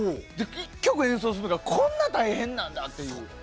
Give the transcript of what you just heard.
１曲演奏するのがこんな大変なんだっていう。